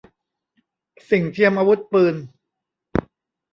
สิ่งเทียมอาวุธปืน